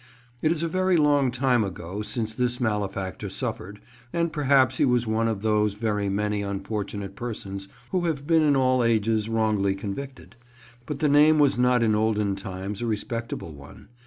It is a very long time ago since this malefactor suffered, and perhaps he was one of those very many unfortunate persons who have been in all ages wrongfully convicted. But the name was not in olden times a respectable one.